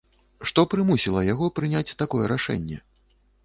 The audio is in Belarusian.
Што прымусіла яго прыняць такое рашэнне?